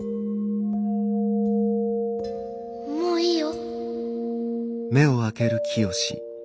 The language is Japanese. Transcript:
もういいよ。